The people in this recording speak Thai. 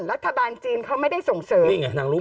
รัฐบาลจีนเขาไม่ได้ส่งเสริม